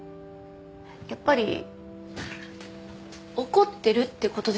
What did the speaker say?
やっぱり怒ってるってことですよね？